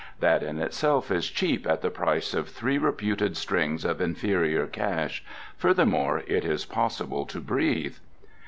That in itself is cheap at the price of three reputed strings of inferior cash. Furthermore, it is possible to breathe."